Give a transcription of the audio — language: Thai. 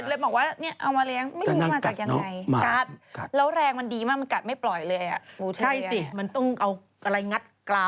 เขาไม่ได้เลี้ยงมาตั้งแต่เด็กเหมือนล้ำไอทอดนึงอะ